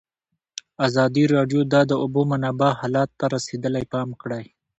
ازادي راډیو د د اوبو منابع حالت ته رسېدلي پام کړی.